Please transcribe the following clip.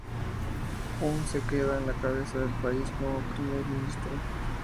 Hun Sen queda a la cabeza del país como primer ministro.